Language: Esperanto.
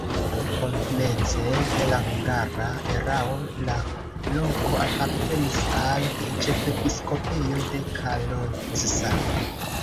Komence de la hungara erao la loko apartenis al ĉefepiskopejo de Kalocsa.